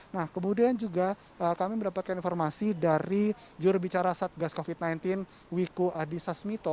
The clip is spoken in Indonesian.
nah kemudian juga kami mendapatkan informasi dari jurubicara satgas covid sembilan belas wiko adhisasmito